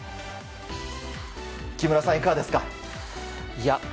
木村さん、いかがですか？